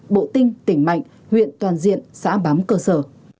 bộ tinh tỉnh mạnh huyện toàn diện xã bám cơ sở